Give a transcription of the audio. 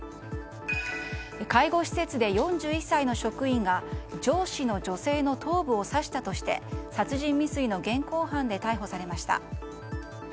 介護施設で４１歳の職員が上司の女性の頭部を刺したとして殺人未遂の現行犯で逮捕されました。